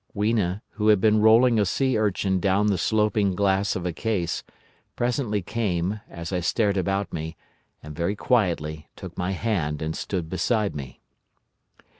Weena, who had been rolling a sea urchin down the sloping glass of a case, presently came, as I stared about me, and very quietly took my hand and stood beside me.